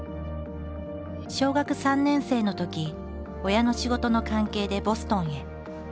小学３年生のとき親の仕事の関係でボストンへ。